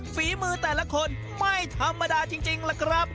ฝีมือแต่ละคนไม่ธรรมดาจริงแล้วก็